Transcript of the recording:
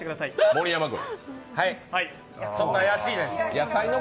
盛山君。